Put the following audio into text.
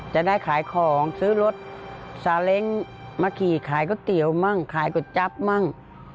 จะได้ขายของซื้อรถซาเล้งมาขี่ขายก๋วยเตี๋ยวมั่งขายก๋วยจับมั่ง